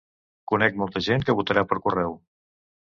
Conec molta gent que votarà per correu.